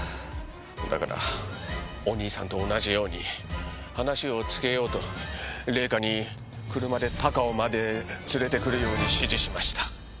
だからお兄さんと同じように話をつけようと礼香に車で高尾まで連れてくるように指示しました。